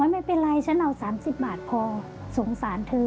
ไม่เป็นไรฉันเอา๓๐บาทพอสงสารเธอ